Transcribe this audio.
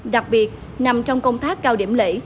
đặc biệt nằm trong công tác cao điểm lễ